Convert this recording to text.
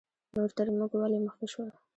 نور تر موږ ولې مخکې شول؟